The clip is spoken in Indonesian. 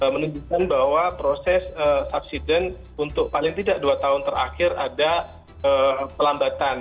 menunjukkan bahwa proses subsiden untuk paling tidak dua tahun terakhir ada pelambatan